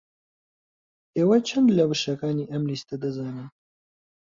ئێوە چەند لە وشەکانی ئەم لیستە دەزانن؟